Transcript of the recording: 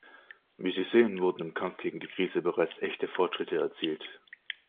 Wie Sie sehen, wurden im Kampf gegen die Krise bereits echte Fortschritte erzielt.